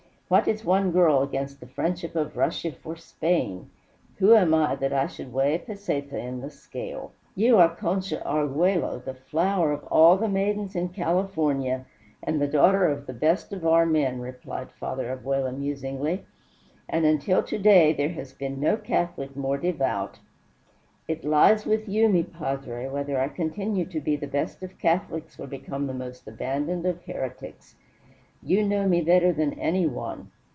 What is one girl against the friendship of Russia for Spain? Who am I that I should weigh a peseta in the scale?" "You are Concha Arguello, the flower of all the maidens in California, and the daughter of the best of our men," replied Father Abella musingly. "And until to day there has been no Catholic more devout " "It lies with you, mi padre, whether I continue to be the best of Catholics or become the most abandoned of heretics. You know me better than anyone.